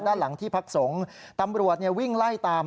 ด้านหลังที่พักสงฆ์ตำรวจวิ่งไล่ตาม